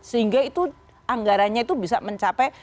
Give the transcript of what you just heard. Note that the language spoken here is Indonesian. sehingga itu anggarannya itu bisa mencapai